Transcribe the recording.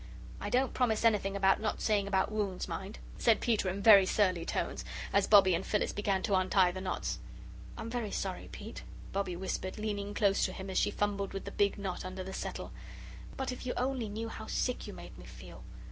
"I don't promise anything about not saying about wounds, mind," said Peter, in very surly tones, as Bobbie and Phyllis began to untie the knots. "I'm very sorry, Pete," Bobbie whispered, leaning close to him as she fumbled with the big knot under the settle; "but if you only knew how sick you made me feel."